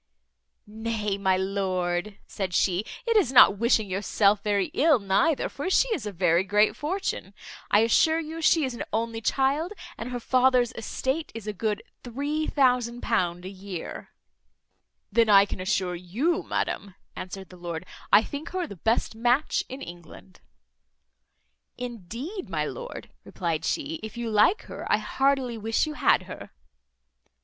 "Nay, my lord," said she, "it is not wishing yourself very ill neither, for she is a very great fortune: I assure you she is an only child, and her father's estate is a good £3000 a year." "Then I can assure you, madam," answered the lord, "I think her the best match in England." "Indeed, my lord," replied she, "if you like her, I heartily wish you had her."